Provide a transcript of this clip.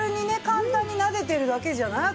簡単になでてるだけじゃない？